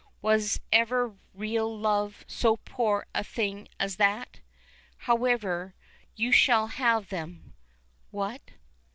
Was ever real love so poor a thing as that? However, you shall have them." "What?"